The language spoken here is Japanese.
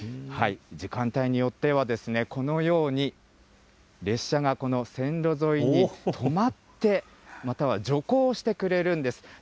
時間帯によってはこのように、列車がこの線路沿いに止まってまたは徐行してくれるんです。